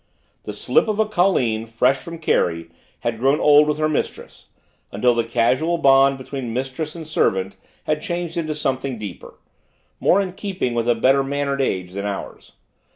The slip of a colleen fresh from Kerry had grown old with her mistress, until the casual bond between mistress and servant had changed into something deeper; more in keeping with a better mannered age than ours.